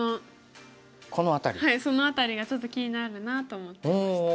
その辺りがちょっと気になるなと思ってました。